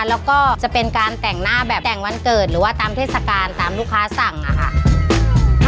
แล้วก็จะเป็นการแต่งหน้าแบบแต่งวันเกิดหรือว่าตามเทศกาลตามลูกค้าสั่งอะค่ะ